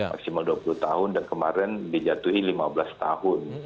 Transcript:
maksimal dua puluh tahun dan kemarin dijatuhi lima belas tahun